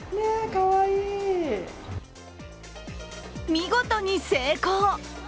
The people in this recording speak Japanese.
見事に成功。